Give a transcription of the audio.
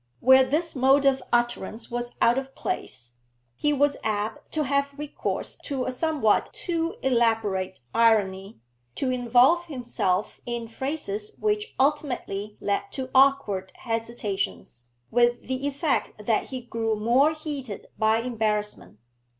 Where this mode of utterance was out of place, he was apt to have recourse to a somewhat too elaborate irony, to involve himself in phrases which ultimately led to awkward hesitations, with the effect that he grew more heated by embarrassment.